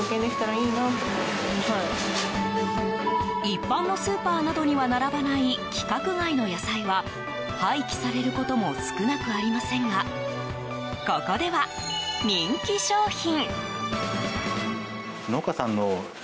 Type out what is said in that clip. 一般のスーパーなどには並ばない規格外の野菜は廃棄されることも少なくありませんがここでは人気商品。